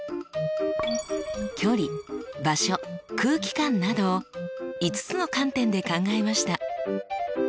「距離」「場所」「空気感」など５つの観点で考えました。